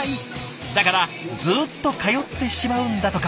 だからずっと通ってしまうんだとか。